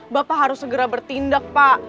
bapak harus segera bertindak pak